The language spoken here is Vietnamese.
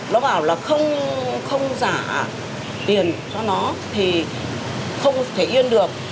nó bảo là không giả tiền cho nó thì không thể yên được